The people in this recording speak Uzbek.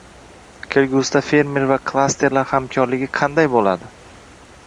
Kelgusida fermer va klasterlar hamkorligi qanday bo‘ladi?ng